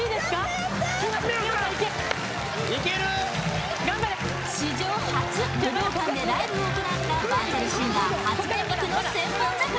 美穂さんいけ頑張れ史上初武道館でライブを行ったバーチャルシンガー初音ミクの「千本桜」